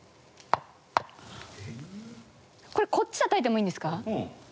これこっちたたいてもいいんですか？